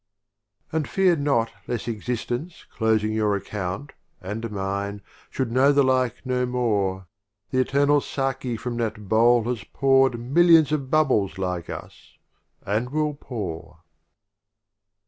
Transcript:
XLVI. And fear not lest Existence closing your Account, and mine, should know the like no more; The Eternal Saki from that Bowl has pour'd Millions of Bubbles like us, and will pour.